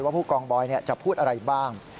ผู้กองบอยจะพูดอะไรบ้าง